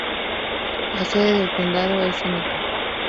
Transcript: La sede del condado es Seneca.